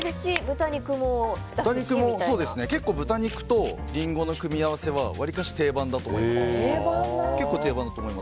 結構、豚肉とリンゴの組み合わせはわりかし定番だと思います。